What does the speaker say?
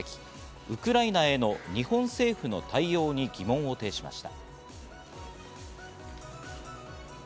ウクライナへの日本政府の対応に疑問を呈しました。